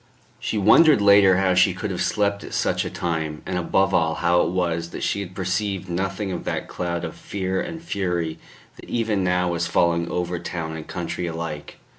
She wondered later how she could have slept at such a time, and above all, how it was that she had perceived nothing of that cloud of fear and fury that even now was falling over town and country alike.